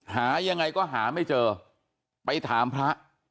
หายังไงก็หาไม่เจอไปถามพระ